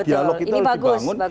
dialog itu harus dibangun